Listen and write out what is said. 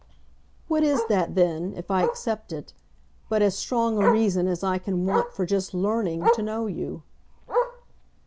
"What is that then if I accept it but as strong a reason as I can want for just LEARNING to know you?"